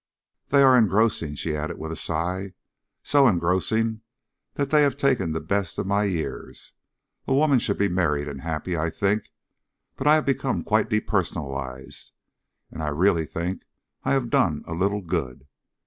"They are engrossing," she added with a sigh, "so engrossing that they have taken the best of my years. A woman should be married and happy, I think, but I have become quite depersonalized. And I really think I have done a little good.